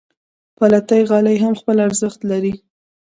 پتېلي غالۍ هم خپل ارزښت لري.